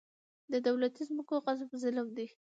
د دولتي ځمکو غصب ظلم دی.